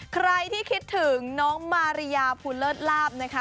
ใครที่คิดถึงน้องมาริยาภูเลิศลาบนะคะ